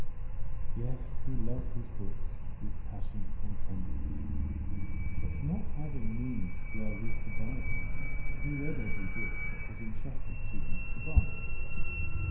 Yes, he loved his books with passion and tenderness; but not having means wherewith to buy them, he read every book that was entrusted to him to bind.